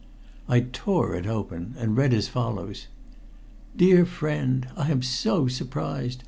I tore it open and read as follows: DEAR FRIEND. _I am so surprised.